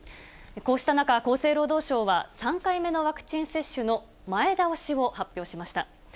こうした中、厚生労働省は３回目のワクチン接種の前倒しを発表しました。